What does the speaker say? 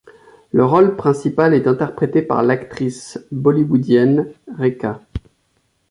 Le rôle principal est interprété par l'actrice bollywoodienne Rekha.